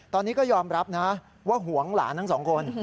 ตอนนี้ก็ยอมรับนะว่าห่วงหลานทั้งสองคน